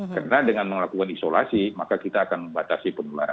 karena dengan melakukan isolasi maka kita akan membatasi pengeluaran